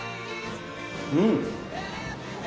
うん！